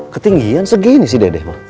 ketinggian segini sih dede mah